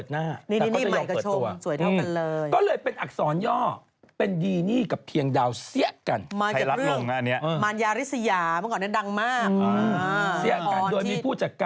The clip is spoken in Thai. มายาริสยาเมื่อก่อนเนี่ยดังมาก